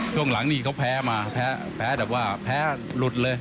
ช่วงหลังนี่เขาแพ้มาแพ้แต่ว่าแพ้หลุดเลย